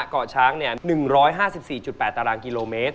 เกาะช้าง๑๕๔๘ตารางกิโลเมตร